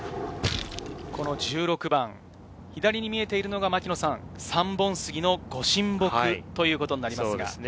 １６番、左に見えているのが、三本杉の御神木ということになります。